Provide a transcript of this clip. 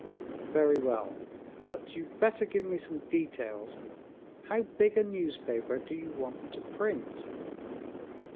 "Very well. But you'd better give me some details. How big a newspaper do you want to print?"